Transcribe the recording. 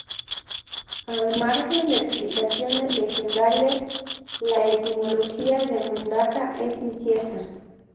Al margen de explicaciones legendarias, la etimología de Mundaca es incierta.